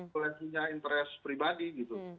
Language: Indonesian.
boleh punya interest pribadi gitu